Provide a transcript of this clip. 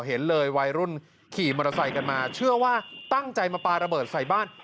เห็นเลยวัยรุ่นขี่มอเตอร์ไซค์กันมาเชื่อว่าตั้งใจมาปลาระเบิดใส่บ้าน